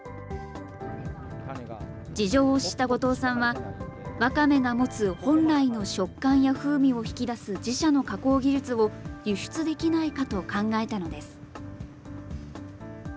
事情を知った後藤さんは、わかめが持つ本来の食感や風味を引き出す自社の加工技術を輸出できないかと考えたのです。